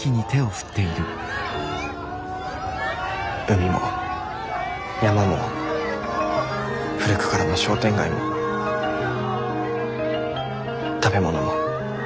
海も山も古くからの商店街も食べ物も。